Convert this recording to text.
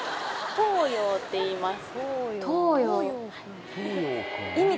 斗陽っていいます